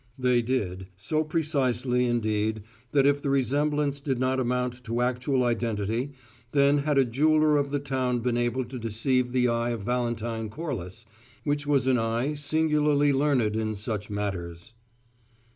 They did so precisely, indeed, that if the resemblance did not amount to actual identity, then had a jeweller of the town been able to deceive the eye of Valentine Corliss, which was an eye singularly learned in such matters.